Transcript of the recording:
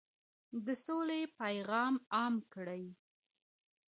د سولې پیغام عام کړئ.